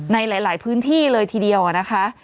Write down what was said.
ในหลายพื้นที่เลยทีเดียวนะคะ